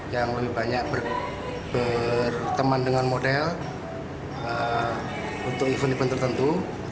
yang lebih banyak berteman dengan model untuk event event tertentu